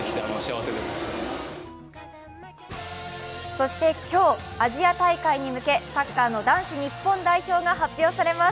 そして今日、アジア大会に向けサッカーの男子日本代表が発表されます。